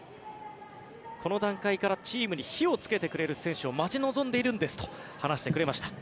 この段階からチームに火をつけてくれる選手を待ち望んでいるんですと話してくれました。